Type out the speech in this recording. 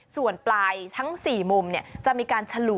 ส่วนปลายทั้งสี่มุมเนี่ยจะมีการฉลุ